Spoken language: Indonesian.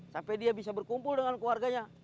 sampai dia bisa berkumpul dengan keluarganya